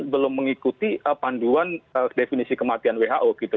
belum mengikuti panduan definisi kematian who gitu